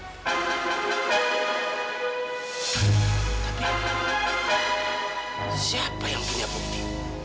tapi siapa yang punya bukti